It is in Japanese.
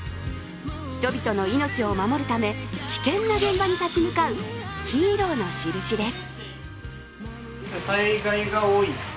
人々の命を守るため、危険な現場に立ち向かうヒーローの印です。